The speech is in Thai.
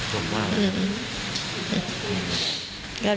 จิตตุกมาก